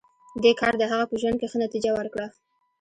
دې کار د هغه په ژوند کې ښه نتېجه ورکړه